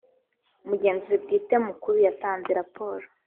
umugenzuzi bwite mukuru yatanze raporo